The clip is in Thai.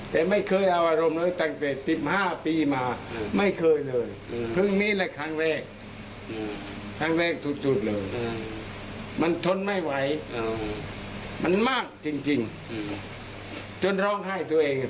แต่ไม่เคยเอาอารมณ์หน่อยตั้งแต่๑๕ปีมาไม่เคยเลย